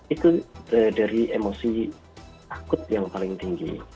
itu dari emosi takut yang paling tinggi